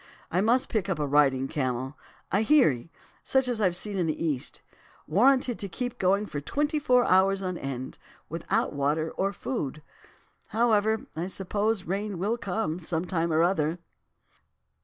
I must pick up a riding camel, a "heirie," such as I've seen in the East, warranted to keep going for twenty four hours on end, without water or food. However, I suppose rain will come some time or other.